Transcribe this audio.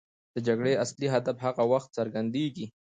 د جګړې اصلي هدف هغه وخت څرګندېږي.